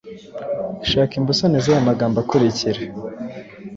Shaka imbusane z’aya amagambo akurikira